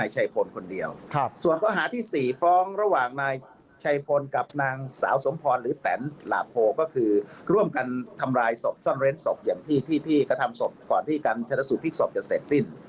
ส่วนข้อหาที่๔ฟ้องระหว่างนายชัยพลกับนางสาวสมพรหรือแตนหลาโพก็คือร่วมกันทำร้ายศพซ่อนเร้นศพอย่างที่ที่กระทำศพก่อนที่การชนะสูตรพลิกศพจะเสร็จสิ้น